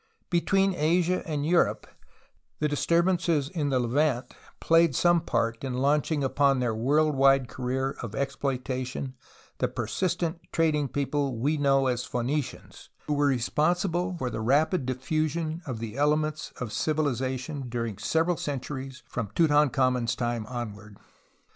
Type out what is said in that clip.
Between Asia and Europe the disturbances in the Levant played some part in launching upon their world wide career of exploitation the persistent trading people we know as Phoenicians, who Avere responsible for the EC cS K3 e* i O a INTRODUCTORY 23 rapid diffusion of the elements of civilization durinsf several centuries from Tutankhamen's time onward.